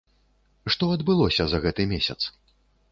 Што адбылося за гэты месяц?